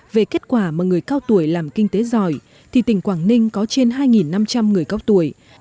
về kết quả mà người cao tuổi làm kinh tế giỏi thì tỉnh quảng ninh có trên hai năm trăm linh người cao tuổi